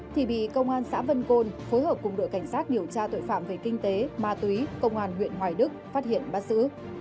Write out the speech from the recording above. thì bị công an xã vân côn phối hợp cùng đội cảnh sát điều tra tội phạm về kinh tế ma túy công an huyện hoài đức phát hiện bắt giữ